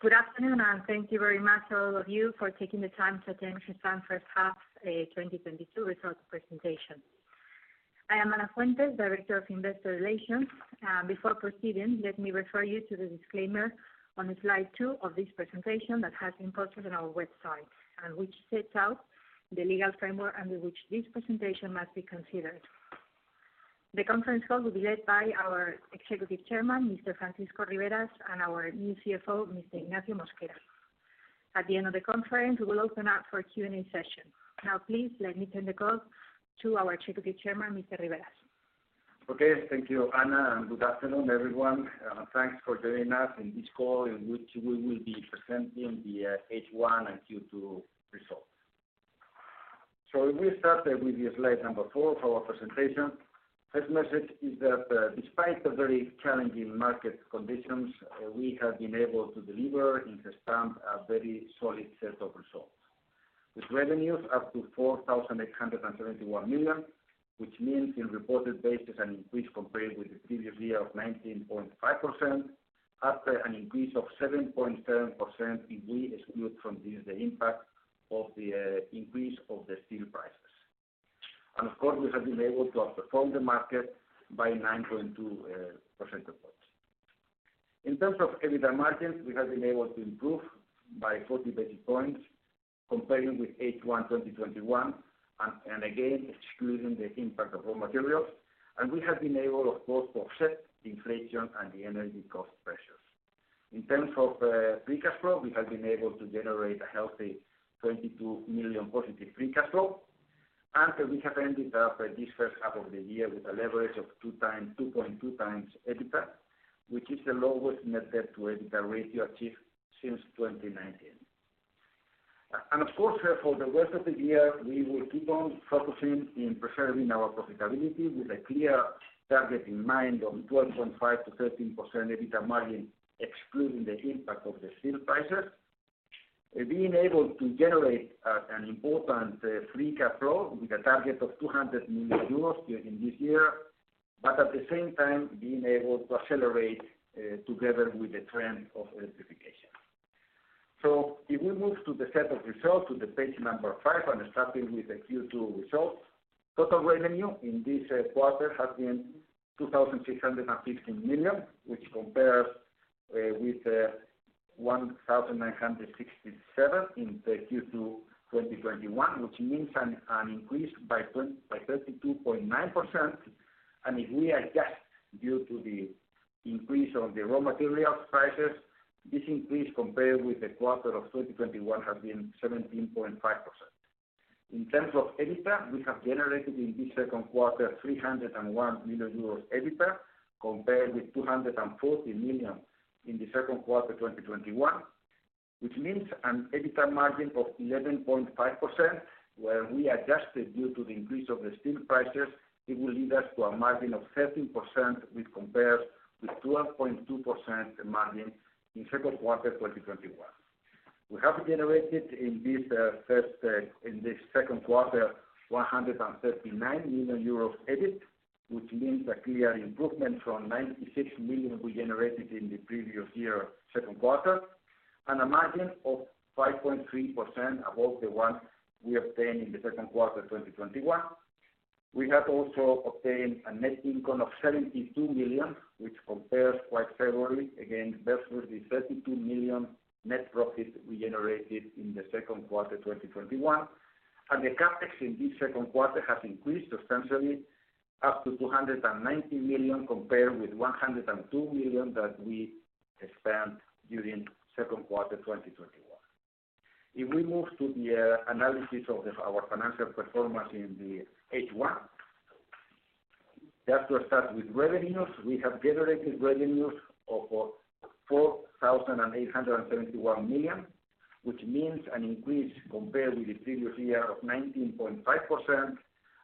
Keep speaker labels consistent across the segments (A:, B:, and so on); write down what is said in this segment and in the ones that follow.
A: Good afternoon, and thank you very much all of you for taking the time to attend Gestamp's half 2022 results presentation. I am Ana Fuentes, Director of Investor Relations. Before proceeding, let me refer you to the disclaimer on Slide two of this presentation that has been posted on our website, and which sets out the legal framework under which this presentation must be considered. The conference call will be led by our executive chairman, Mr. Francisco Riberas, and our new CFO, Mr. Ignacio Mosquera. At the end of the conference, we will open up for a Q&A session. Now, please let me turn the call to our executive chairman, Mr. Riberas.
B: Okay. Thank you, Ana, and good afternoon, everyone. Thanks for joining us in this call in which we will be presenting the H1 and Q2 results. If we start with the Slide four of our presentation. First message is that, despite the very challenging market conditions, we have been able to deliver in Gestamp a very solid set of results. With revenues up to 4,871 million, which means in reported basis an increase compared with the previous year of 19.5%, after an increase of 7.7% if we exclude from this the impact of the increase of the steel prices. Of course, we have been able to outperform the market by 9.2 percentage points. In terms of EBITDA margins, we have been able to improve by 40 basis points comparing with H1 2021 and again, excluding the impact of raw materials. We have been able, of course, to offset inflation and the energy cost pressures. In terms of free cash flow, we have been able to generate a healthy 22 million positive free cash flow. We have ended up this first half of the year with a leverage of 2.2x EBITDA, which is the lowest net debt to EBITDA ratio achieved since 2019. Of course, for the rest of the year, we will keep on focusing in preserving our profitability with a clear target in mind of 12.5%-13% EBITDA margin, excluding the impact of the steel prices. Being able to generate an important free cash flow with a target of 200 million euros during this year, but at the same time, being able to accelerate together with the trend of electrification. If we move to the set of results to the page number 5 and starting with the Q2 results. Total revenue in this quarter has been 2,615 million, which compares with 1,967 million in the Q2 2021, which means an increase by 32.9%. If we adjust due to the increase of the raw materials prices, this increase compared with the quarter of 2021 has been 17.5%. In terms of EBITDA, we have generated in this second quarter 301 million euros EBITDA, compared with 240 million in the second quarter 2021, which means an EBITDA margin of 11.5%. Where we adjusted due to the increase of the steel prices, it will lead us to a margin of 13%, which compares with 12.2% margin in second quarter 2021. We have generated in this second quarter 139 million euros EBIT, which means a clear improvement from 96 million we generated in the previous year second quarter. A margin of 5.3% above the one we obtained in the second quarter 2021. We have also obtained a net income of 72 million, which compares quite favorably, again, versus the 32 million net profit we generated in the second quarter 2021. The CapEx in this second quarter has increased substantially up to 290 million, compared with 102 million that we spent during second quarter 2021. If we move to the analysis of our financial performance in the H1. Let us start with revenues. We have generated revenues of 4,871 million, which means an increase compared with the previous year of 19.5%.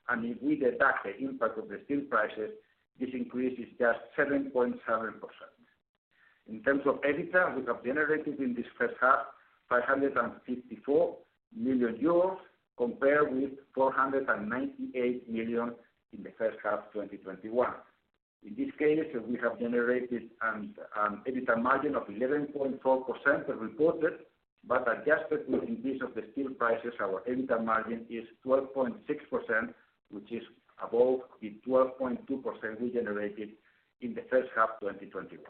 B: If we deduct the impact of the steel prices, this increase is just 7.7%. In terms of EBITDA, we have generated in this first half 554 million euros, compared with 498 million in the first half 2021. In this case, we have generated an EBITDA margin of 11.4% as reported, but adjusted with increase of the steel prices, our EBITDA margin is 12.6%, which is above the 12.2% we generated in the first half 2021.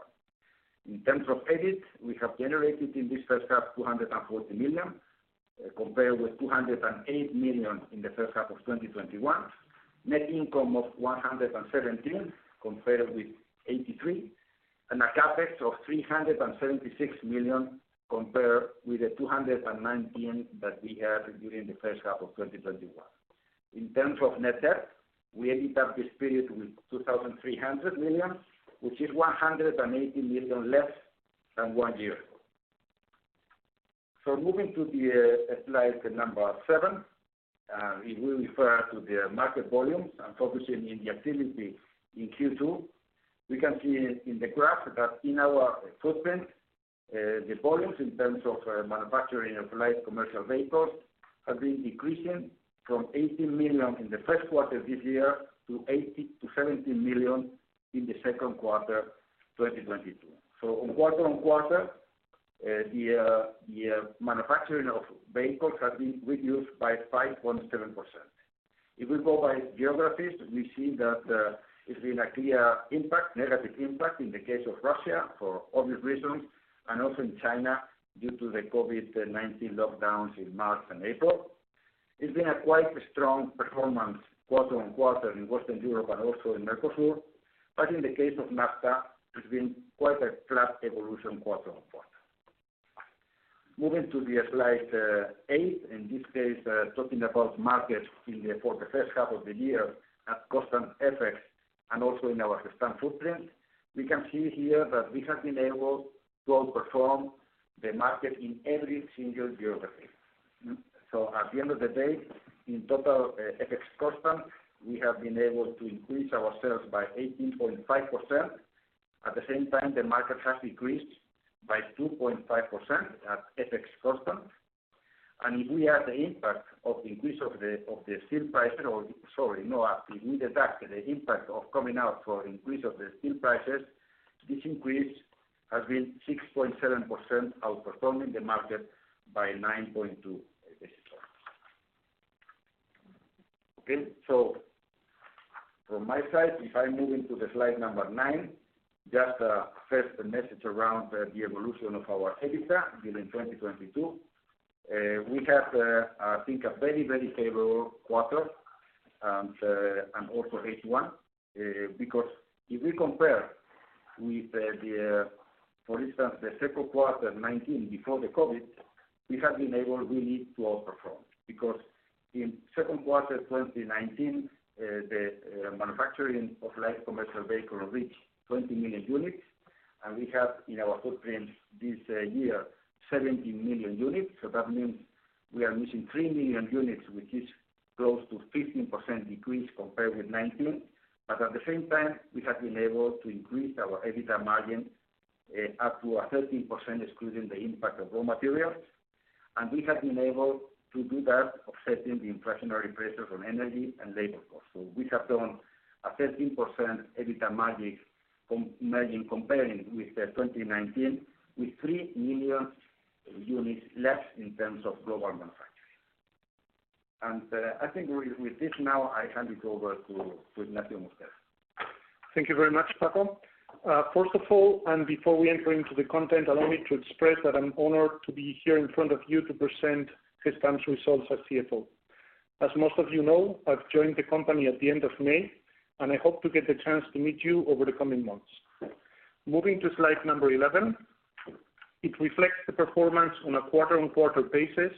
B: In terms of EBIT, we have generated in this first half 240 million, compared with 208 million in the first half of 2021. Net income of 117 million compared with 83 million. CapEx of 376 million compared with the 219 that we had during the first half of 2021. In terms of net debt, we ended up this period with 2,300 million, which is 180 million less than one year ago. Moving to the Slide seven, it will refer to the market volumes and focusing on the activity in Q2. We can see in the graph that in our footprint, the volumes in terms of manufacturing of light commercial vehicles have been decreasing from 18 million in the first quarter of this year to 17 million in the second quarter 2022. On quarter-on-quarter, the manufacturing of vehicles has been reduced by 5.7%. If we go by geographies, we see that, it's been a clear impact, negative impact in the case of Russia for obvious reasons, and also in China due to the COVID-19 lockdowns in March and April. It's been a quite strong performance quarter-on-quarter in Western Europe and also in Mercosur, but in the case of NAFTA, it's been quite a flat evolution quarter-on-quarter. Moving to the Slide eight, in this case, talking about markets for the first half of the year at constant FX and also in our Gestamp footprint. We can see here that we have been able to outperform the market in every single geography. So at the end of the day, in total, FX constant, we have been able to increase our sales by 18.5%. At the same time, the market has increased by 2.5% at FX constant. If we deduct the impact of the increase in steel prices, this increase has been 6.7%, outperforming the market by 9.2%. From my side, if I move into Slide nine, just first the message around the evolution of our EBITDA during 2022. We have, I think a very favorable quarter, and also H1, because if we compare with, for instance, the second quarter 2019 before the COVID-19, we have been able really to outperform. Because in second quarter 2019, the manufacturing of light commercial vehicle reached 20 million units, and we have in our footprint this year 17 million units. That means we are missing 3 million units, which is close to 15% decrease compared with 2019. At the same time, we have been able to increase our EBITDA margin up to a 13% excluding the impact of raw materials. We have been able to do that offsetting the inflationary pressures on energy and labor costs. We have done a 13% EBITDA margin comparing with 2019, with 3 million units less in terms of global manufacturing. I think with this now, I hand it over to Ignacio Mosquera.
C: Thank you very much, Paco. First of all, and before we enter into the content, allow me to express that I'm honored to be here in front of you to present Gestamp's results as CFO. As most of you know, I've joined the company at the end of May, and I hope to get the chance to meet you over the coming months. Moving to Slide 11, it reflects the performance on a quarter-on-quarter basis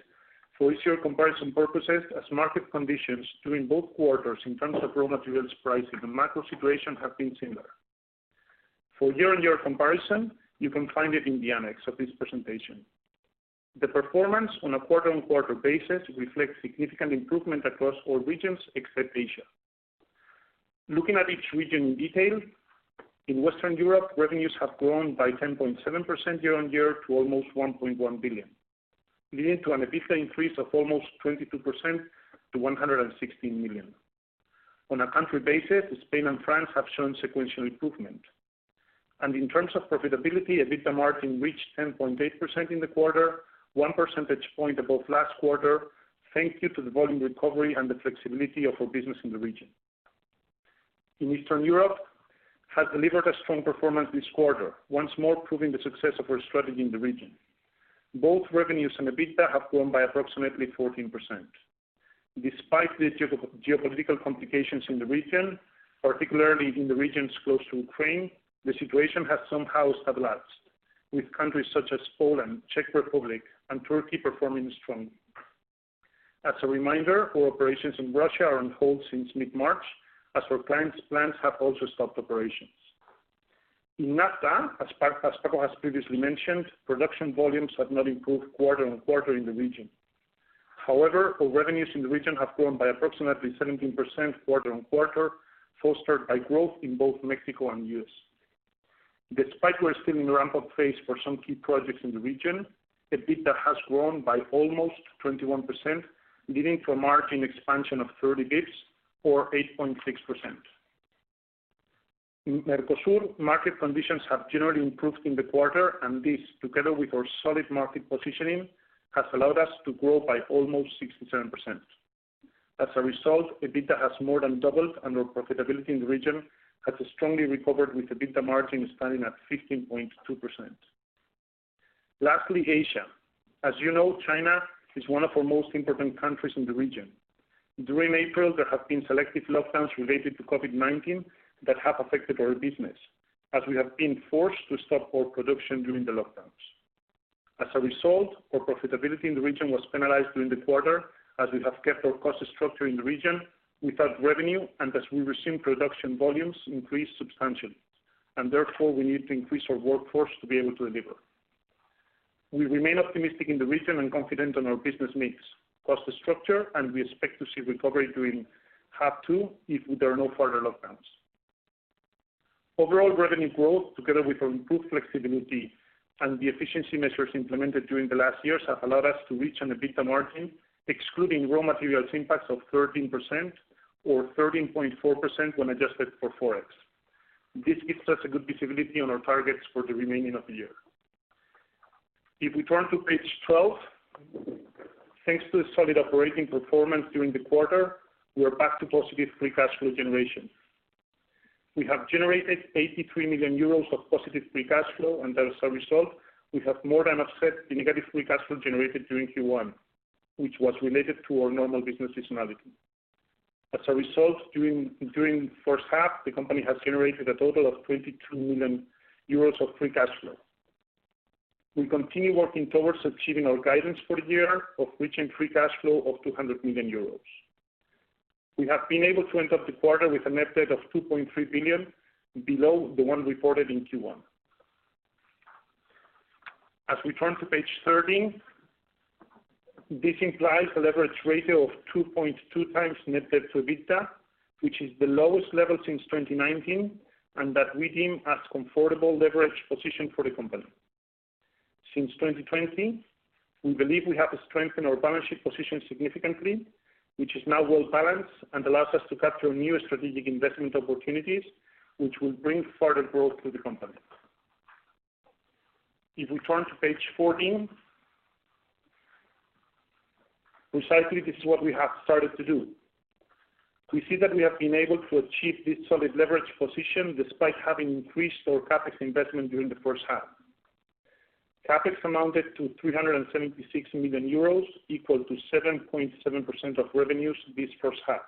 C: for easier comparison purposes as market conditions during both quarters in terms of raw materials pricing and macro situation have been similar. For year-on-year comparison, you can find it in the annex of this presentation. The performance on a quarter-on-quarter basis reflects significant improvement across all regions except Asia. Looking at each region in detail, in Western Europe, revenues have grown by 10.7% year-on-year to almost 1.1 billion, leading to an EBITDA increase of almost 22% to 116 million. On a country basis, Spain and France have shown sequential improvement. In terms of profitability, EBITDA margin reached 10.8% in the quarter, 1 percentage point above last quarter, thanks to the volume recovery and the flexibility of our business in the region. In Eastern Europe has delivered a strong performance this quarter, once more proving the success of our strategy in the region. Both revenues and EBITDA have grown by approximately 14%. Despite the geopolitical complications in the region, particularly in the regions close to Ukraine, the situation has somehow stabilized, with countries such as Poland, Czech Republic, and Turkey performing strongly. As a reminder, our operations in Russia are on hold since mid-March, as our client's plants have also stopped operations. In NAFTA, as Paco has previously mentioned, production volumes have not improved quarter-on-quarter in the region. However, our revenues in the region have grown by approximately 17% quarter-on-quarter, fostered by growth in both Mexico and U.S. Despite we're still in ramp-up phase for some key projects in the region, EBITDA has grown by almost 21%, leading to a margin expansion of 30 BPS or 8.6%. In Mercosur, market conditions have generally improved in the quarter, and this, together with our solid market positioning, has allowed us to grow by almost 67%. As a result, EBITDA has more than doubled, and our profitability in the region has strongly recovered with EBITDA margin standing at 15.2%. Lastly, Asia. As you know, China is one of our most important countries in the region. During April, there have been selective lockdowns related to COVID-19 that have affected our business, as we have been forced to stop our production during the lockdowns. As a result, our profitability in the region was penalized during the quarter as we have kept our cost structure in the region without revenue and as we resume production volumes increase substantially, and therefore, we need to increase our workforce to be able to deliver. We remain optimistic in the region and confident on our business mix, cost structure, and we expect to see recovery during half two if there are no further lockdowns. Overall revenue growth, together with our improved flexibility and the efficiency measures implemented during the last years, have allowed us to reach an EBITDA margin, excluding raw materials impact of 13% or 13.4% when adjusted for Forex. This gives us a good visibility on our targets for the remaining of the year. If we turn to page 12, thanks to the solid operating performance during the quarter, we are back to positive free cash flow generation. We have generated 83 million euros of positive free cash flow, and as a result, we have more than offset the negative free cash flow generated during Q1, which was related to our normal business seasonality. As a result, during the first half, the company has generated a total of 22 million euros of free cash flow. We continue working towards achieving our guidance for the year of reaching free cash flow of 200 million euros. We have been able to end of the quarter with a net debt of 2.3 billion below the one reported in Q1. As we turn to page 13, this implies a leverage ratio of 2.2 times net debt to EBITDA, which is the lowest level since 2019, and that we deem as comfortable leverage position for the company. Since 2020, we believe we have strengthened our balance sheet position significantly, which is now well-balanced and allows us to capture new strategic investment opportunities, which will bring further growth to the company. If we turn to page 14, precisely, this is what we have started to do. We see that we have been able to achieve this solid leverage position despite having increased our CapEx investment during the first half. CapEx amounted to 376 million euros, equal to 7.7% of revenues this first half.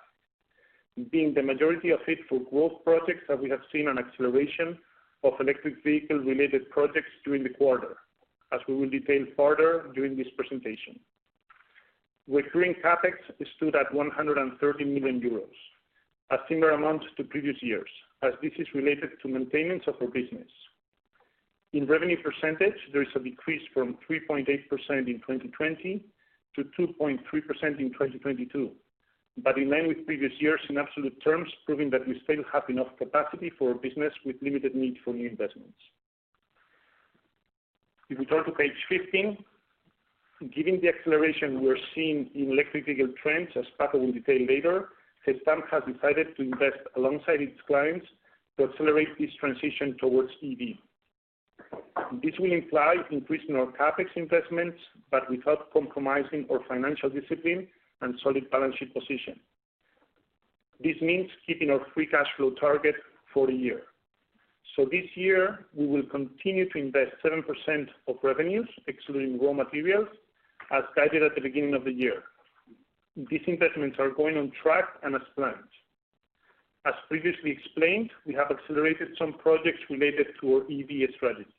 C: Being the majority of it for growth projects that we have seen an acceleration of electric vehicle related projects during the quarter, as we will detail further during this presentation. Recurring CapEx stood at 130 million euros, a similar amount to previous years, as this is related to maintenance of our business. In revenue percentage, there is a decrease from 3.8% in 2020 to 2.3% in 2022. In line with previous years in absolute terms, proving that we still have enough capacity for our business with limited need for new investments. If we turn to page 15, given the acceleration we are seeing in electric vehicle trends, as Paco will detail later, Gestamp has decided to invest alongside its clients to accelerate this transition towards EV. This will imply increasing our CapEx investments, but without compromising our financial discipline and solid balance sheet position. This means keeping our free cash flow target for the year. This year, we will continue to invest 7% of revenues, excluding raw materials, as guided at the beginning of the year. These investments are going on track and as planned. As previously explained, we have accelerated some projects related to our EV strategy.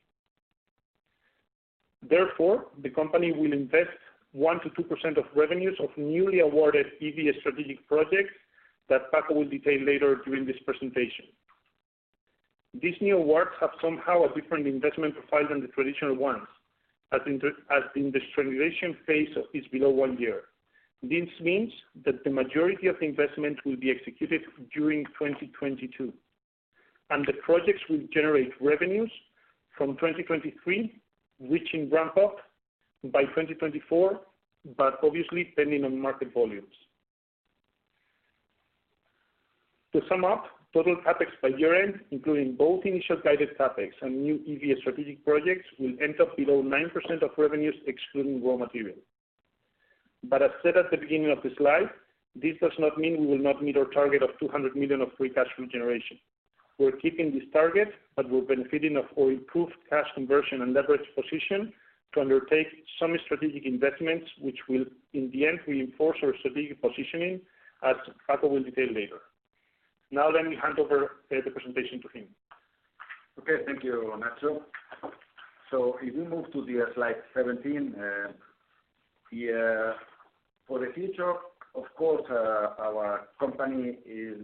C: Therefore, the company will invest 1%-2% of revenues of newly awarded EV strategic projects that Paco will detail later during this presentation. These new awards have somehow a different investment profile than the traditional ones, as industrialization phase is below one year. This means that the majority of investment will be executed during 2022, and the projects will generate revenues from 2023, reaching ramp up by 2024, but obviously depending on market volumes. To sum up, total CapEx by year-end, including both initial guided CapEx and new EV strategic projects, will end up below 9% of revenues excluding raw material. As said at the beginning of the slide, this does not mean we will not meet our target of 200 million of free cash flow generation. We're keeping this target, but we're benefiting of our improved cash conversion and leverage position to undertake some strategic investments, which will in the end reinforce our strategic positioning as Paco will detail later. Now let me hand over the presentation to him.
B: Okay, thank you, Nacho. If we move to Slide 17, for the future, of course, our company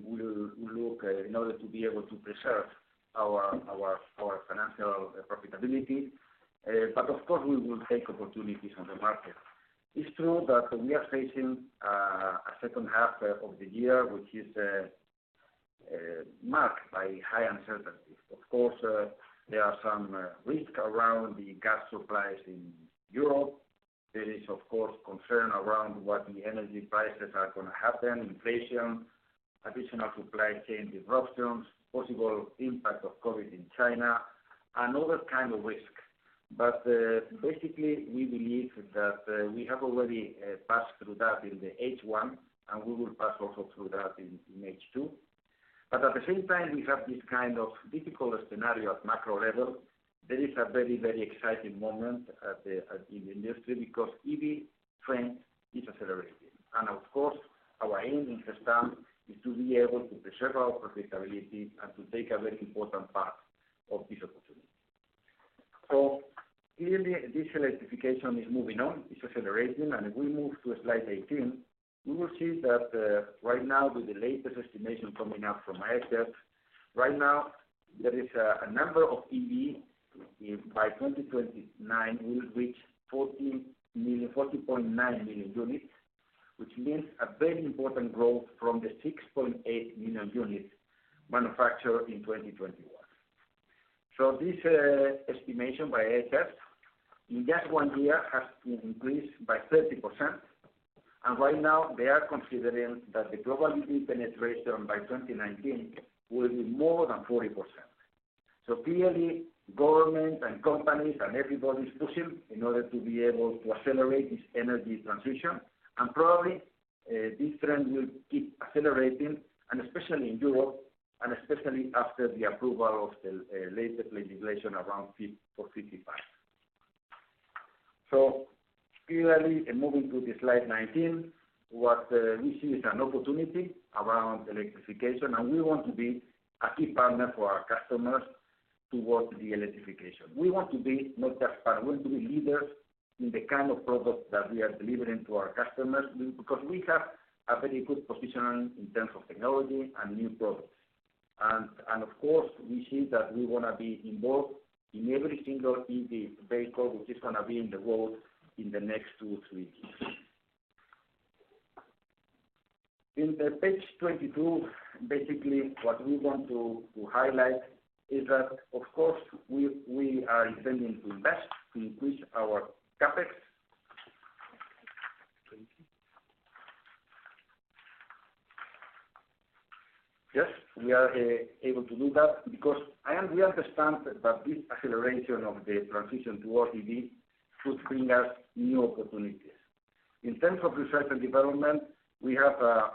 B: will look in order to be able to preserve our financial profitability. Of course, we will take opportunities on the market. It's true that we are facing a second half of the year, which is marked by high uncertainty. Of course, there are some risk around the gas supplies in Europe. There is of course concern around what is going to happen to the energy prices, inflation, additional supply chain disruptions, possible impact of COVID in China, and other kind of risk. Basically, we believe that we have already passed through that in the H1, and we will pass also through that in H2. At the same time, we have this kind of difficult scenario at macro level. There is a very, very exciting moment in the industry because EV trend is accelerating. Of course, our aim in Gestamp is to be able to preserve our profitability and to take a very important part of this opportunity. Clearly, this electrification is moving on. It's accelerating. If we move to Slide 18, we will see that right now with the latest estimation coming out from IHS Markit, right now, there is a number of EV by 2029 will reach 40 million, 40.9 million units. Which means a very important growth from the 6.8 million units manufactured in 2021. This estimation by IHS, in just one year has been increased by 30%, and right now they are considering that the global EV penetration by 2019 will be more than 40%. Clearly, government and companies and everybody's pushing in order to be able to accelerate this energy transition. Probably, this trend will keep accelerating, and especially in Europe, and especially after the approval of the latest legislation around Fit for 55. Clearly, moving to the Slide 19, what we see is an opportunity around electrification, and we want to be a key partner for our customers towards the electrification. We want to be not just part, we want to be leaders in the kind of products that we are delivering to our customers, because we have a very good positioning in terms of technology and new products. Of course, we see that we wanna be involved in every single EV vehicle which is gonna be on the road in the next two, three years. On page 22, basically what we want to highlight is that, of course we are intending to invest to increase our CapEx. Yes, we are able to do that because we understand that this acceleration of the transition towards EV could bring us new opportunities. In terms of research and development, we have a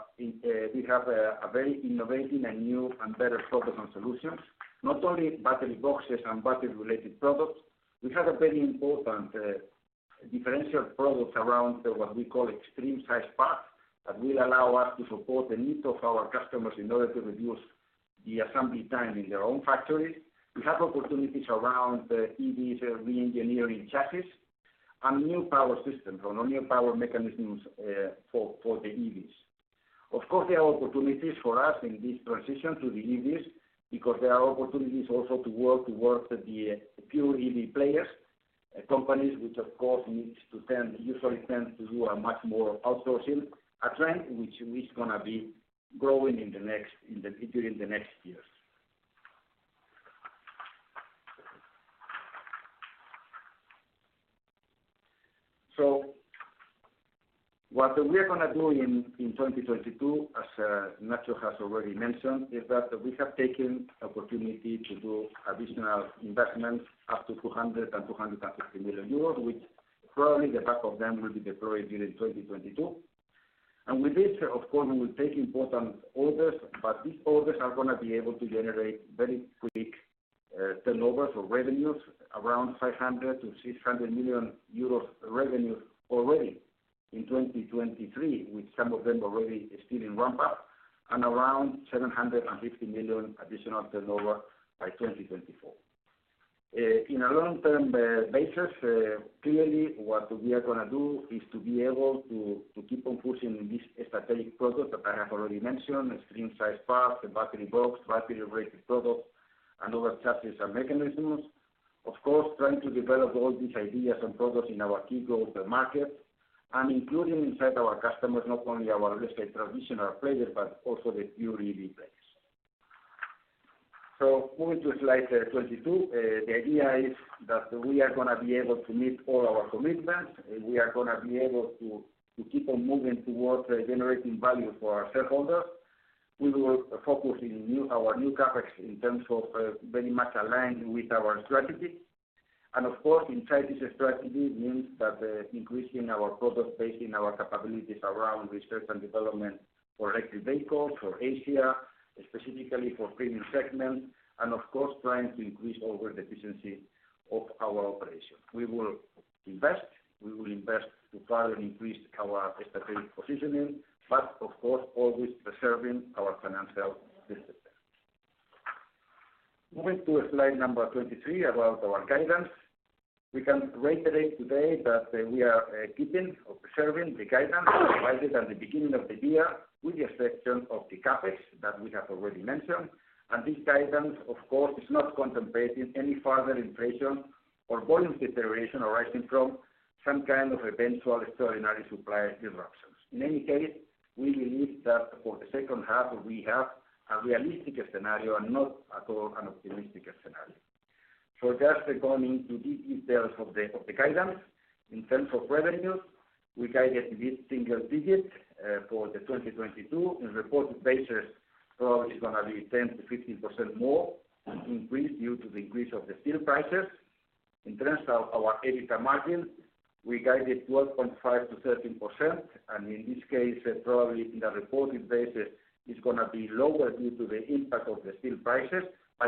B: very innovative and new and better products and solutions, not only battery boxes and battery-related products. We have a very important differential products around the, what we call Extreme Size Parts, that will allow us to support the needs of our customers in order to reduce the assembly time in their own factories. We have opportunities around EVs reengineering chassis and new power systems or new power mechanisms for the EVs. Of course, there are opportunities for us in this transition to the EVs because there are opportunities also to work with the pure EV players, companies which usually tend to do a much more outsourcing, a trend which is gonna be growing during the next years. What we are gonna do in 2022, as Nacho has already mentioned, is that we have taken opportunity to do additional investments up to 250 million euros, which probably the half of them will be deployed during 2022. With this, of course, we will take important orders, but these orders are gonna be able to generate very quick, turnovers or revenues, around 500 million-600 million euros revenues already in 2023, with some of them already still in ramp-up, and around 750 million additional turnover by 2024. In a long-term basis, clearly what we are gonna do is to be able to keep on pushing this strategic products that I have already mentioned, Extreme Size Parts, the battery boxes, battery-related products and other chassis and mechanisms. Of course, trying to develop all these ideas and products in our key growth markets, and including inside our customers, not only our, let's say, traditional players, but also the pure EV players. Moving to Slide 22. The idea is that we are gonna be able to meet all our commitments. We are gonna be able to to keep on moving towards generating value for our shareholders. We will focus on our new CapEx in terms of very much aligned with our strategy. Of course, inside this strategy means that increasing our product base in our capabilities around research and development for electric vehicles, for Asia, specifically for premium segment, and of course, trying to increase overall the efficiency of our operations. We will invest to further increase our strategic positioning, but of course, always preserving our financial discipline. Moving to Slide 23 about our guidance. We can reiterate today that we are keeping or preserving the guidance provided at the beginning of the year with the exception of the CapEx that we have already mentioned. This guidance, of course, is not contemplating any further inflation or volume deterioration arising from some kind of eventual extraordinary supply disruptions. In any case, we believe that for the second half, we have a realistic scenario and not at all an optimistic scenario. Just going into the details of the guidance. In terms of revenues, we guided mid-single digits for 2022. In reported basis, probably it's gonna be 10%-15% more increase due to the increase of the steel prices. In terms of our EBITDA margin, we guided 12.5%-13%, and in this case, probably in a reported basis, it's gonna be lower due to the impact of the steel prices.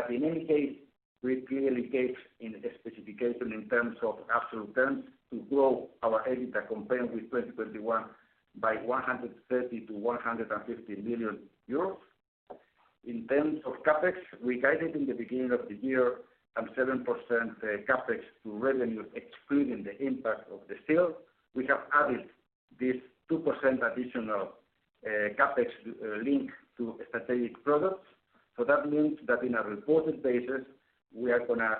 B: In any case, we clearly gave a specification in terms of absolute terms to grow our EBITDA compared with 2021 by 130 million-150 million euros. In terms of CapEx, we guided in the beginning of the year some 7%, CapEx to revenues excluding the impact of the steel. We have added this 2% additional, CapEx, linked to strategic products. So that means that in a reported basis, we are gonna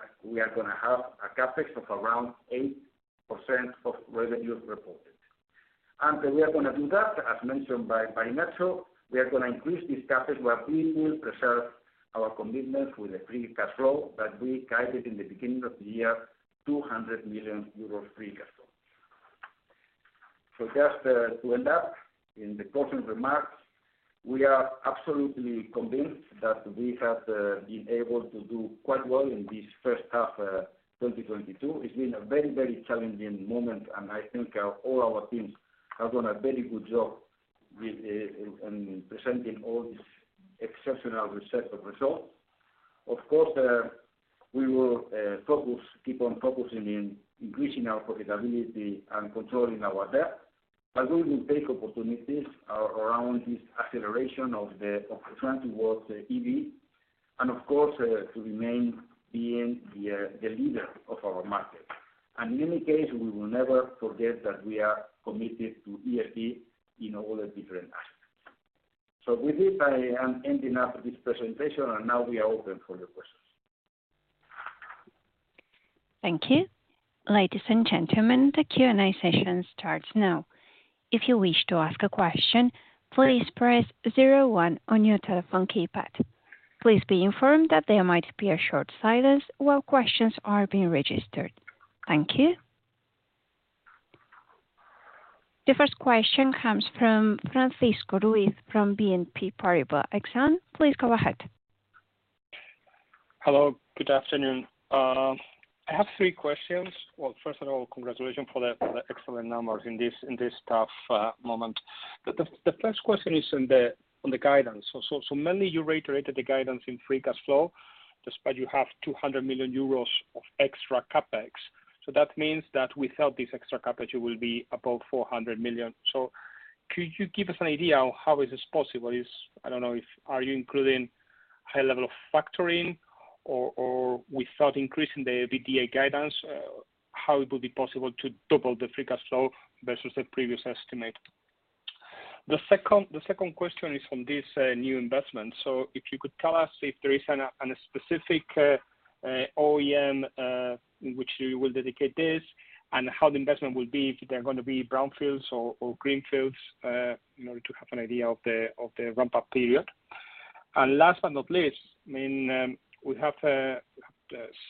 B: have a CapEx of around 8% of revenues reported. We are gonna do that, as mentioned by Nacho. We are gonna increase this CapEx while we will preserve our commitment with the free cash flow that we guided in the beginning of the year, 200 million euros free cash flow. Just to end up, in the closing remarks, we are absolutely convinced that we have been able to do quite well in this first half, 2022. It's been a very, very challenging moment, and I think all our teams have done a very good job with in presenting all this exceptional set of results. Of course, we will focus keep on focusing in increasing our profitability and controlling our debt, but we will take opportunities around this acceleration of the trend towards EV. Of course, to remain being the leader of our market. In any case, we will never forget that we are committed to ESG in all the different aspects. With this, I am ending up this presentation, and now we are open for the questions.
D: Thank you. Ladies and gentlemen, the Q&A session starts now. If you wish to ask a question, please press zero one on your telephone keypad. Please be informed that there might be a short silence while questions are being registered. Thank you. The first question comes from Francisco Ruiz from BNP Paribas Exane. Please go ahead.
E: Hello, good afternoon. I have three questions. Well, first of all, congratulations for the excellent numbers in this tough moment. The first question is on the guidance. Mainly you reiterated the guidance in free cash flow, despite you have 200 million euros of extra CapEx. That means that without this extra CapEx, you will be above 400 million. Could you give us an idea on how is this possible? Are you including high level of factoring or, without increasing the EBITDA guidance, how it will be possible to double the free cash flow versus the previous estimate? The second question is on this new investment. If you could tell us if there is a specific OEM in which you will dedicate this, and how the investment will be, if they're gonna be brownfields or greenfields, in order to have an idea of the ramp-up period. Last but not least, I mean, we have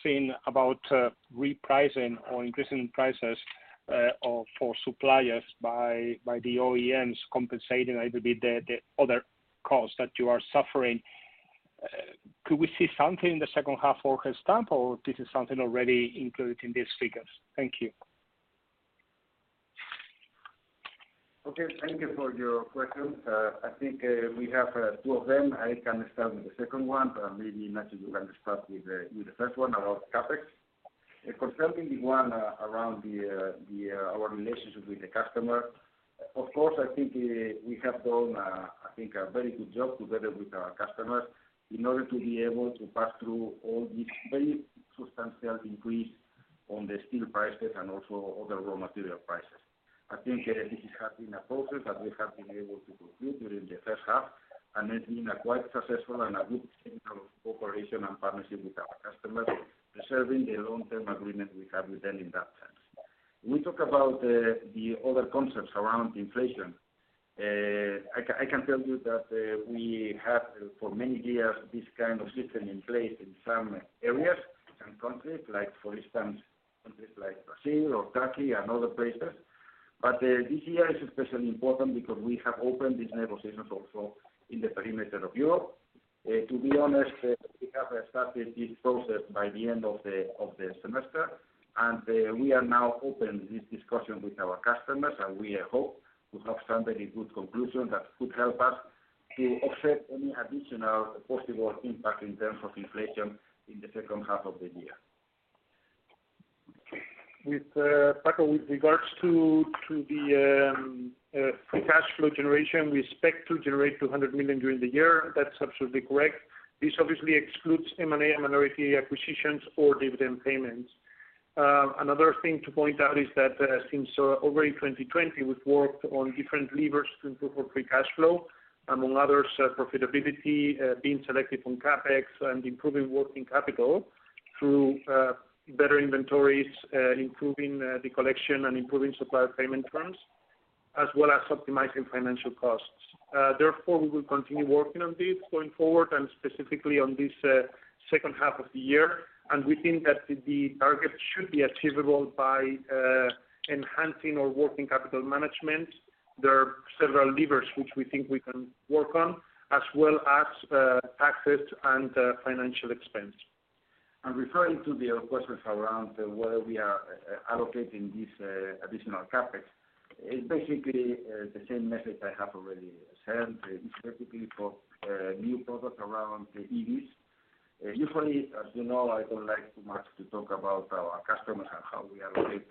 E: seen about repricing or increasing prices for suppliers by the OEMs compensating a little bit the other costs that you are suffering. Could we see something in the second half for Gestamp or this is something already included in these figures? Thank you.
B: Okay, thank you for your questions. I think we have two of them. I can start with the second one, but maybe Nacho, you can start with the first one about CapEx. Concerning the one around our relationship with the customer, of course, I think we have done, I think a very good job together with our customers in order to be able to pass through all this very substantial increase on the steel prices and also other raw material prices. I think this has been a process that we have been able to conclude during the first half, and it's been a quite successful and a good signal of cooperation and partnership with our customers, preserving the long-term agreement we have with them in that sense. We talk about the other concepts around inflation. I can tell you that we have for many years this kind of system in place in some areas and countries, like for instance, countries like Brazil or Turkey and other places. This year is especially important because we have opened these negotiations also in the perimeter of Europe. To be honest, we have started this process by the end of the semester, and we are now opening this discussion with our customers, and we hope to have some very good conclusions that could help us to offset any additional possible impact in terms of inflation in the second half of the year.
C: Paco, with regards to the free cash flow generation, we expect to generate 200 million during the year. That's absolutely correct. This obviously excludes M&A and minority acquisitions or dividend payments. Another thing to point out is that since already 2020, we've worked on different levers to improve our free cash flow. Among others, profitability, being selective on CapEx and improving working capital through better inventories, improving the collection and improving supplier payment terms, as well as optimizing financial costs. Therefore, we will continue working on this going forward and specifically on this second half of the year. We think that the target should be achievable by enhancing our working capital management. There are several levers which we think we can work on, as well as taxes and financial expense.
B: Referring to the other questions around whether we are allocating this additional CapEx, it's basically the same message I have already said. It's basically for new products around EVs. Usually, as you know, I don't like too much to talk about our customers and how we allocate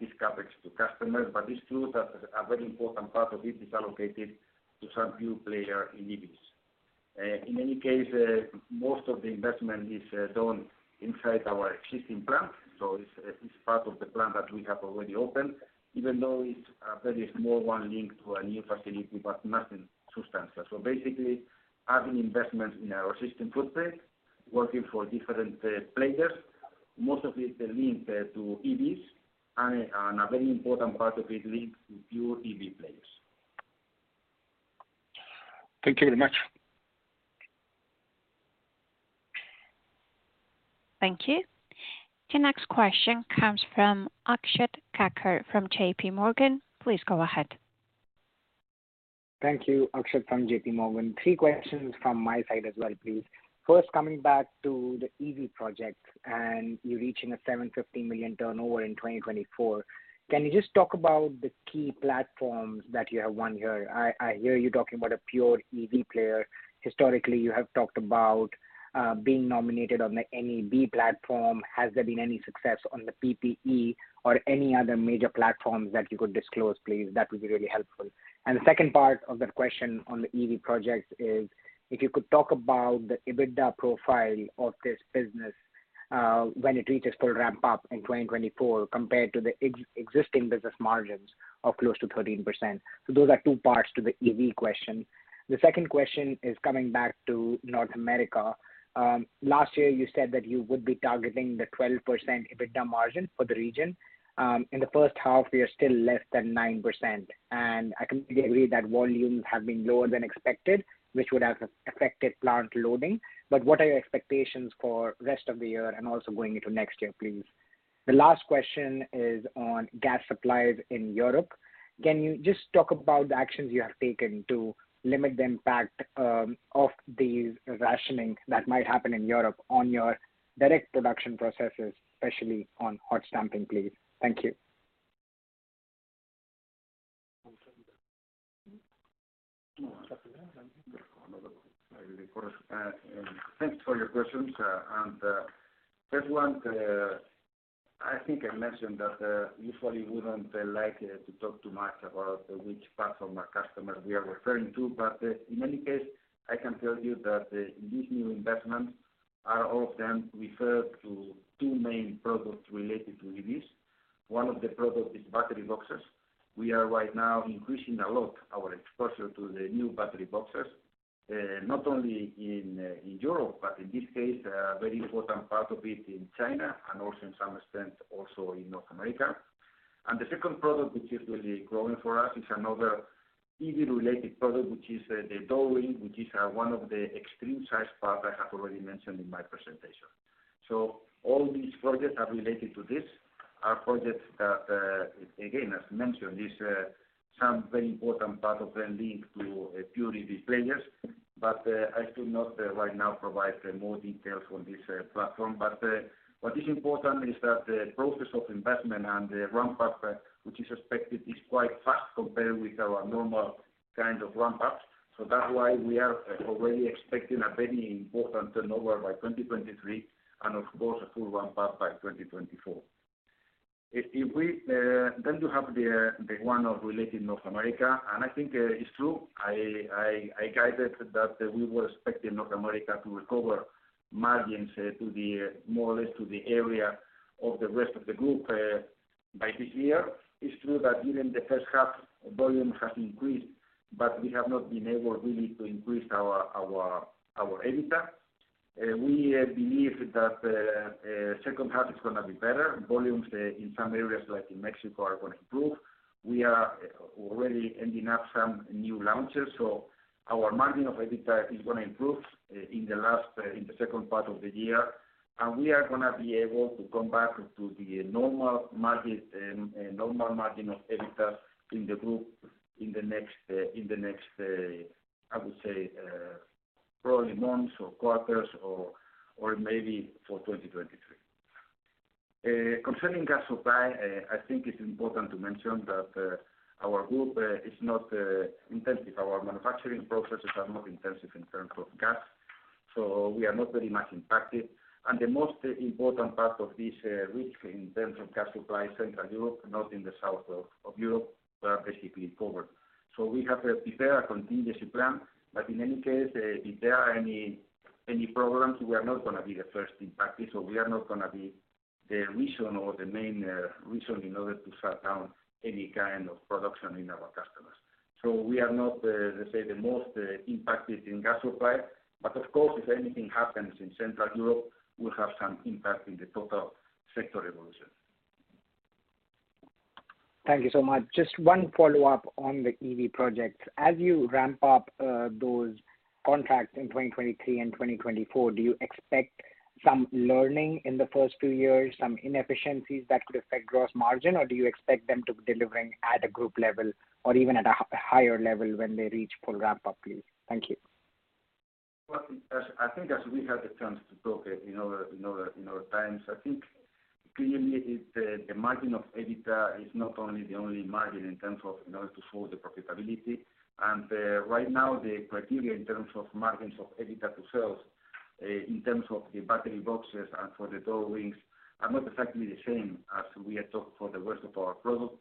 B: this CapEx to customers, but it's true that a very important part of it is allocated to some new player in EVs. In any case, most of the investment is done inside our existing plant. It's part of the plant that we have already opened, even though it's a very small one linked to a new facility, but nothing substantial. Basically, having investment in our existing footprint, working for different players. Most of it is linked to EVs and a very important part of it links to pure EV players.
D: Thank you very much. Thank you. The next question comes from Akshat Khandelwal from JPMorgan. Please go ahead.
F: Thank you. Akshat from JPMorgan. Three questions from my side as well, please. First, coming back to the EV project and you reaching 750 million turnover in 2024. Can you just talk about the key platforms that you have won here? I hear you talking about a pure EV player. Historically, you have talked about being nominated on the MEB platform. Has there been any success on the PPE or any other major platforms that you could disclose, please? That would be really helpful. The second part of that question on the EV projects is if you could talk about the EBITDA profile of this business, when it reaches full ramp-up in 2024 compared to the existing business margins of close to 13%. Those are two parts to the EV question. The second question is coming back to North America. Last year you said that you would be targeting the 12% EBITDA margin for the region. In the first half, we are still less than 9%, and I completely agree that volumes have been lower than expected, which would have affected plant loading. What are your expectations for rest of the year and also going into next year, please? The last question is on gas supplies in Europe. Can you just talk about the actions you have taken to limit the impact of these rationing that might happen in Europe on your direct production processes, especially on hot stamping, please? Thank you.
B: Thanks for your questions. I think I mentioned that usually wouldn't like to talk too much about which platform or customer we are referring to. In any case, I can tell you that these new investments are all of them refer to two main products related to EVs. One of the product is battery boxes. We are right now increasing a lot our exposure to the new battery boxes, not only in Europe, but in this case a very important part of it in China and also in some extent also in North America. The second product, which is really growing for us is another EV related product, which is the Door Ring, which is one of the Extreme Size Part I have already mentioned in my presentation. All these projects are related to this. Our projects that, again, as mentioned, is some very important part of them linked to a few EV players. I could not right now provide more details on this platform. What is important is that the process of investment and the ramp-up, which is expected, is quite fast compared with our normal kind of ramp-ups. That's why we are already expecting a very important turnover by 2023 and of course a full ramp-up by 2024. You have the one related to North America, and I think it's true, I guided that we were expecting North America to recover margins to more or less the area of the rest of the group by this year. It's true that even the first half volume has increased, but we have not been able really to increase our EBITDA. We believe that second half is gonna be better. Volumes in some areas like in Mexico are gonna improve. We are already ramping up some new launches, so our margin of EBITDA is gonna improve in the second part of the year. We are gonna be able to come back to the normal margin of EBITDA in the group in the next, I would say, probably months or quarters or maybe for 2023. Concerning gas supply, I think it's important to mention that our group is not intensive. Our manufacturing processes are not intensive in terms of gas, so we are not very much impacted. The most important part of this risk in terms of gas supply is Central Europe, not in the south of Europe. We are basically covered. We have prepared a contingency plan. In any case, if there are any problems, we are not gonna be the first impacted. We are not gonna be the reason or the main reason in order to shut down any kind of production in our customers. We are not, let's say, the most impacted in gas supply. Of course, if anything happens in Central Europe, we'll have some impact in the total sector evolution.
F: Thank you so much. Just one follow-up on the EV projects. As you ramp up those contracts in 2023 and 2024, do you expect some learning in the first two years, some inefficiencies that could affect gross margin? Or do you expect them to be delivering at a group level or even at a higher level when they reach full ramp-up, please? Thank you.
B: Well, I think as we had the chance to talk in other times, I think clearly it's the margin of EBITDA is not only the only margin in terms of in order to show the profitability. Right now the criteria in terms of margins of EBITDA to sales, in terms of the battery boxes and for the Door Rings are not exactly the same as we had talked for the rest of our products.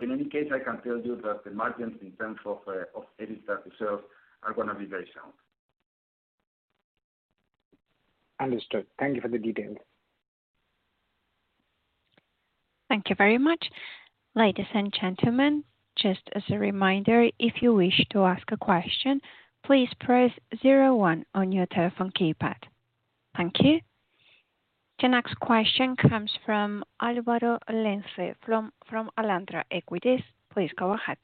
B: In any case, I can tell you that the margins in terms of EBITDA to sales are gonna be very sound.
F: Understood. Thank you for the details.
D: Thank you very much. Ladies and gentlemen, just as a reminder, if you wish to ask a question, please press zero one on your telephone keypad. Thank you. The next question comes from Álvaro Lenze from Alantra Equities. Please go ahead.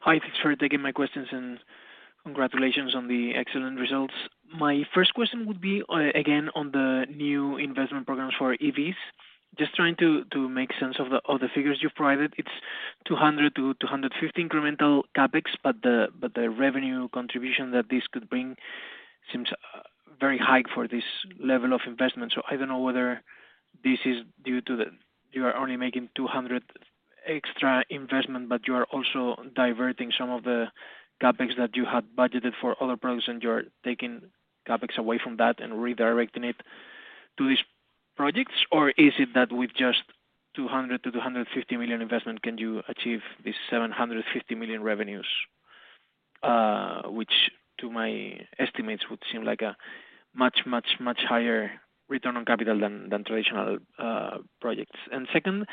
G: Hi. Thanks for taking my questions and congratulations on the excellent results. My first question would be again on the new investment programs for EVs. Just trying to make sense of the figures you've provided. It's 200-250 incremental CapEx, but the revenue contribution that this could bring seems very high for this level of investment. I don't know whether this is due to the you are only making 200 extra investment, but you are also diverting some of the CapEx that you had budgeted for other products, and you are taking CapEx away from that and redirecting it to these projects. Is it that with just 200-250 million investment can you achieve this 750 million revenues, which to my estimates would seem like a much, much, much higher return on capital than traditional projects. Second,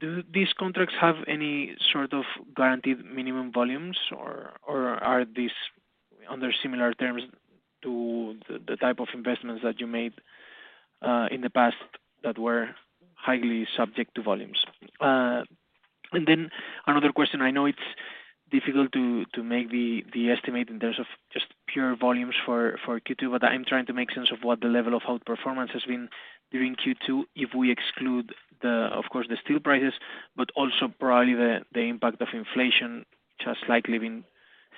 G: do these contracts have any sort of guaranteed minimum volumes or are these under similar terms to the type of investments that you made in the past that were highly subject to volumes? Another question. I know it's difficult to make the estimate in terms of just pure volumes for Q2, but I'm trying to make sense of what the level of outperformance has been during Q2 if we exclude, of course, the steel prices, but also probably the impact of inflation, which has likely been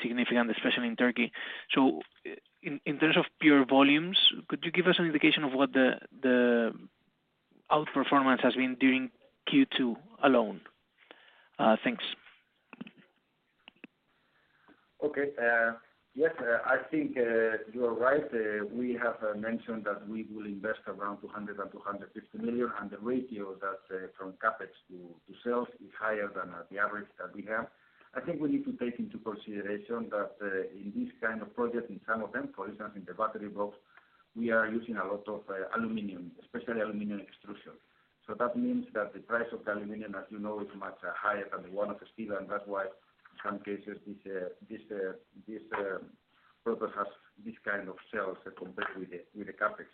G: significant, especially in Turkey. In terms of pure volumes, could you give us an indication of what the outperformance has been during Q2 alone? Thanks.
B: Okay. Yes, I think you are right. We have mentioned that we will invest around 200-250 million, and the ratio from CapEx to sales is higher than the average that we have. I think we need to take into consideration that in this kind of project, in some of them, for instance, in the battery box, we are using a lot of aluminum, especially aluminum extrusion. So that means that the price of the aluminum, as you know, is much higher than the one of steel, and that's why in some cases this process has this kind of sales compared with the CapEx.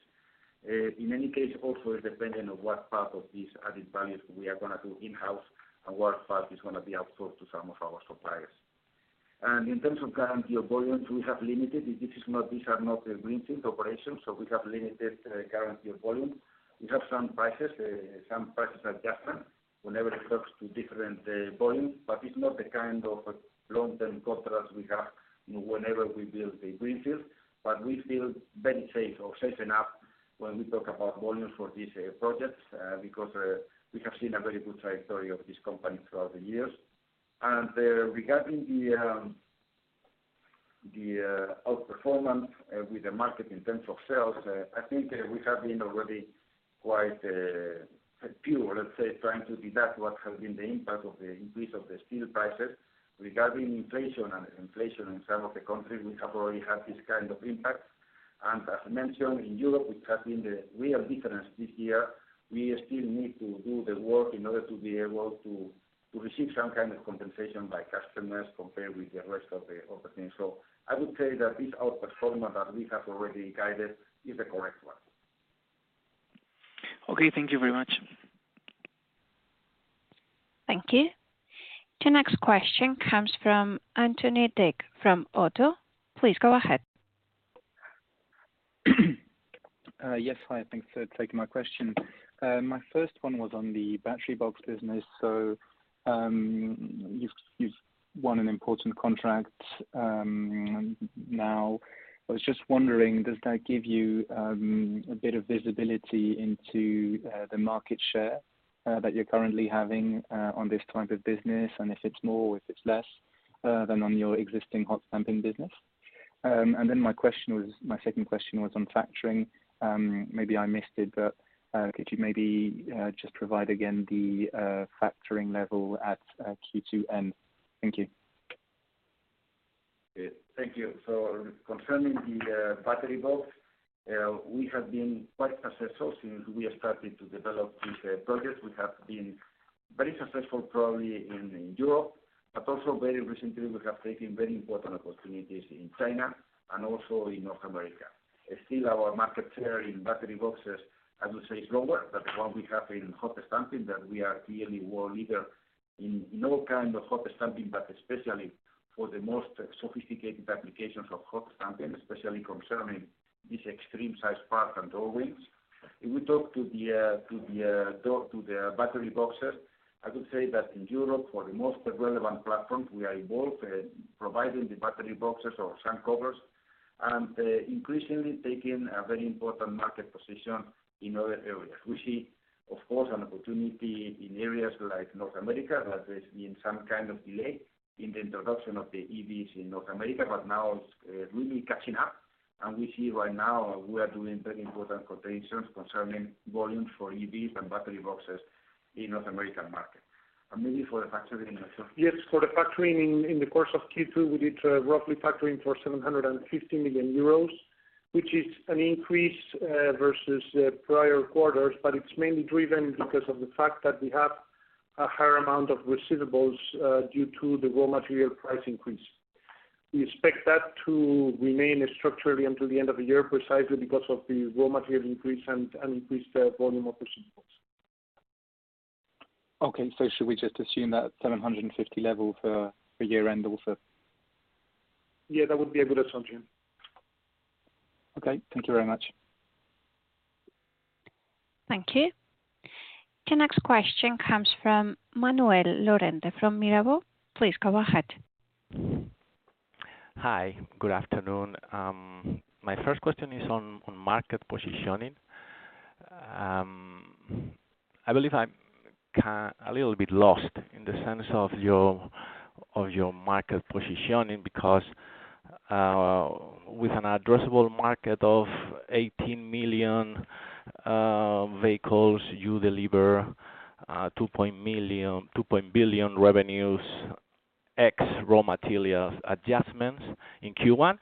B: In any case, also it depending on what part of these added values we are gonna do in-house and what part is gonna be outsourced to some of our suppliers. In terms of guarantee of volumes, we have limited. These are not greenfield operations, so we have limited guarantee of volume. We have some prices adjustment whenever it comes to different volumes, but it's not the kind of long-term contracts we have whenever we build a greenfield. We feel very safe or safe enough when we talk about volumes for these projects, because we have seen a very good trajectory of this company throughout the years. Regarding the outperformance with the market in terms of sales, I think we have been already quite proactive, let's say, trying to deduce what has been the impact of the increase of the steel prices. Regarding inflation in some of the countries, we have already had this kind of impact. As mentioned, in Europe it has been the real difference this year. We still need to do the work in order to be able to receive some kind of compensation by customers compared with the rest of the things. I would say that this outperformance that we have already guided is the correct one.
G: Okay. Thank you very much.
D: Thank you. The next question comes from Anthony Dick from ODDO BHF. Please go ahead.
H: Yes, hi. Thanks for taking my question. My first one was on the battery box business. You've won an important contract now. I was just wondering, does that give you a bit of visibility into the market share that you're currently having on this type of business, and if it's more or if it's less than on your existing hot stamping business? My second question was on factoring. Maybe I missed it, but could you maybe just provide again the factoring level at Q2 end? Thank you.
B: Thank you. Concerning the battery box, we have been quite successful since we have started to develop this project. We have been very successful probably in Europe, but also very recently we have taken very important opportunities in China and also in North America. Still our market share in battery boxes, I would say is lower than the one we have in hot stamping, that we are clearly world leader in all kind of hot stamping, but especially for the most sophisticated applications of hot stamping, especially concerning this Extreme Size Part and Door Rings. If we talk to the battery boxes, I would say that in Europe, for the most relevant platforms, we are involved providing the battery boxes or sand covers and increasingly taking a very important market position in other areas. We see, of course, an opportunity in areas like North America, but there's been some kind of delay in the introduction of the EVs in North America, but now it's really catching up. We see right now we are doing very important quotations concerning volumes for EVs and battery boxes in North American market. Maybe for the factoring also.
C: Yes, for the factoring in the course of Q2, we did roughly factoring for 750 million euros, which is an increase versus the prior quarters. It's mainly driven because of the fact that we have a higher amount of receivables due to the raw material price increase. We expect that to remain structurally until the end of the year, precisely because of the raw material increase and increased volume of receivables.
H: Okay. Should we just assume that 750 level for year-end also?
C: Yeah, that would be a good assumption.
H: Okay. Thank you very much.
D: Thank you. The next question comes from Manuel Lorente, from Mirabaud. Please go ahead.
I: Hi, good afternoon. My first question is on market positioning. I believe I'm a little bit lost in the sense of your market positioning because with an addressable market of 18 million vehicles, you deliver 2 billion revenues, ex raw materials adjustments in Q1.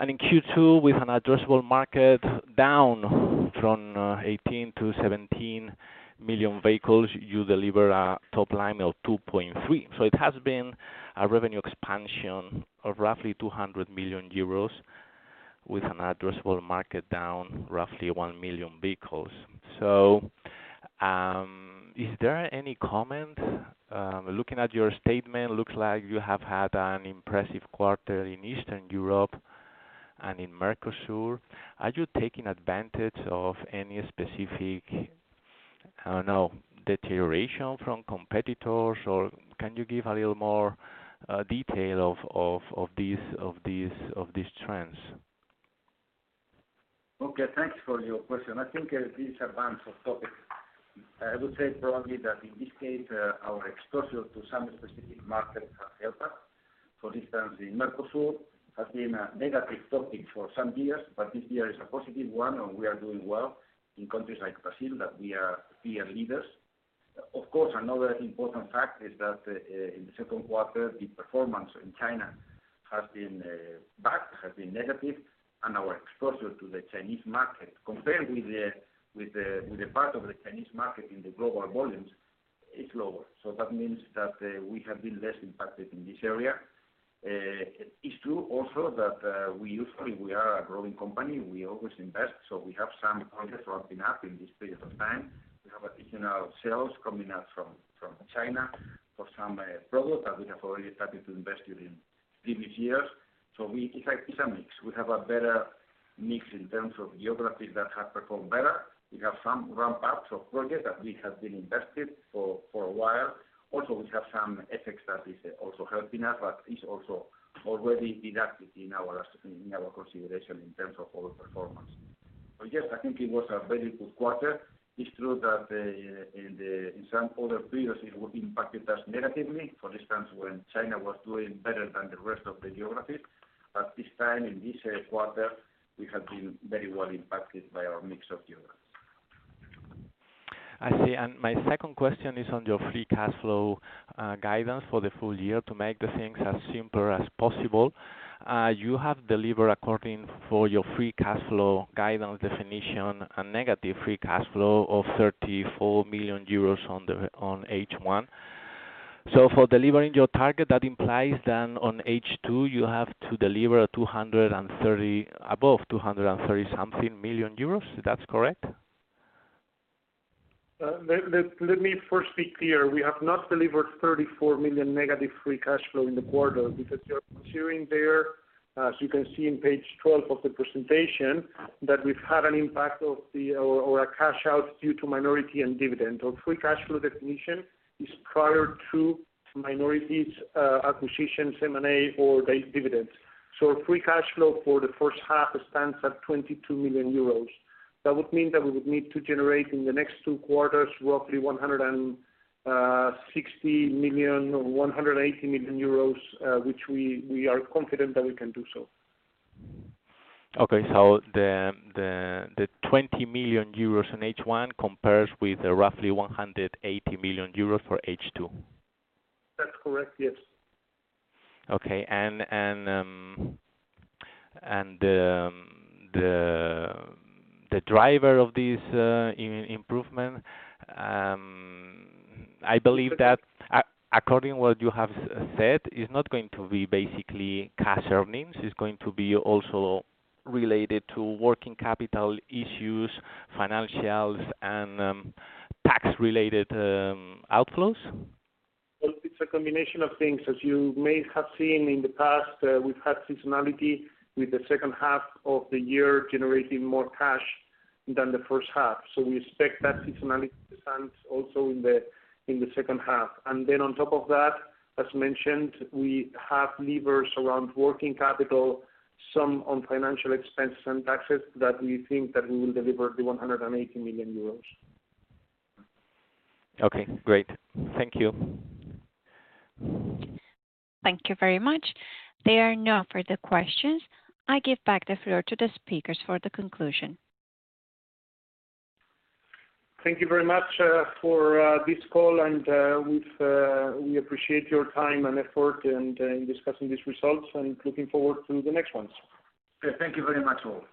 I: In Q2, with an addressable market down from 18 to 17 million vehicles, you deliver a top line of 2.3 billion. It has been a revenue expansion of roughly 200 million euros with an addressable market down roughly 1 million vehicles. Is there any comment? Looking at your statement, looks like you have had an impressive quarter in Eastern Europe and in Mercosur. Are you taking advantage of any specific, I don't know, deterioration from competitors or can you give a little more detail of these trends?
B: Okay, thanks for your question. I think this advance of topics, I would say probably that in this case, our exposure to some specific markets have helped us. For instance, in Mercosur has been a negative topic for some years, but this year is a positive one, and we are doing well in countries like Brazil that we are leaders. Of course, another important fact is that in the second quarter, the performance in China has been bad, negative, and our exposure to the Chinese market, compared with the part of the Chinese market in the global volumes, is lower. So that means that we have been less impacted in this area. It's true also that we usually are a growing company. We always invest, so we have some projects ramping up in this period of time. We have additional sales coming up from China for some product that we have already started to invest during previous years. It's a mix. We have a better mix in terms of geographies that have performed better. We have some ramp ups of projects that we have been invested for a while. Also we have some FX that is also helping us, but it's also already deducted in our consideration in terms of our performance. Yes, I think it was a very good quarter. It's true that in some other periods, it impacted us negatively. For instance, when China was doing better than the rest of the geographies. This time, in this quarter, we have been very well impacted by our mix of geographies.
I: I see. My second question is on your free cash flow guidance for the full year. To make things as simple as possible, you have delivered according to your free cash flow guidance definition a negative free cash flow of 34 million euros on H1. For delivering your target, that implies then on H2 you have to deliver above 230-something million euros. That's correct?
C: Let me first speak clearly. We have not delivered negative 34 million free cash flow in the quarter because you're considering there, as you can see on page 12 of the presentation, that we've had an impact of the, or a cash out due to minority and dividend. Our free cash flow definition is prior to minorities, acquisitions, M&A or dividends. Free cash flow for the first half stands at 22 million euros. That would mean that we would need to generate in the next two quarters roughly 160 million or 180 million euros, which we are confident that we can do so.
I: The 20 million euros in H1 compares with roughly EUR 180 million for H2.
C: That's correct, yes.
I: The driver of this improvement, I believe that according to what you have said, it's not going to be basically cash earnings. It's going to be also related to working capital issues, financials and tax related outflows.
C: Well, it's a combination of things. As you may have seen in the past, we've had seasonality with the second half of the year generating more cash than the first half. We expect that seasonality to stand also in the second half. On top of that, as mentioned, we have levers around working capital, some on financial expense and taxes that we think that we will deliver 180 million euros.
I: Okay, great. Thank you.
D: Thank you very much. There are no further questions. I give back the floor to the speakers for the conclusion.
A: Thank you very much for this call, and we appreciate your time and effort in discussing these results and looking forward to the next ones.
B: Thank you very much all.